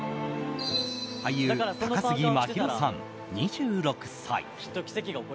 俳優、高杉真宙さん、２６歳。